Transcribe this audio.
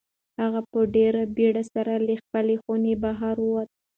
هغه په ډېرې بېړۍ سره له خپلې خونې بهر ووت.